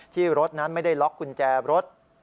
ที่รถนั้นไม่ได้ล็อกกุญแจรถ